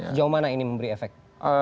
sejauh mana ini memberi efek